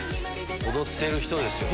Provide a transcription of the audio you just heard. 踊ってる人ですよね。